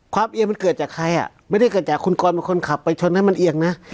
เอียงมันเกิดจากใครอ่ะไม่ได้เกิดจากคุณกรเป็นคนขับไปชนให้มันเอียงนะ